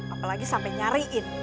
apalagi sampai nyariin